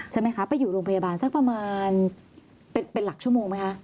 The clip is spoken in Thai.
ใช่ไหมคะไปอยู่โรงพยาบาลสักประมาณเป็นหลักชั่วโมงไหมคะ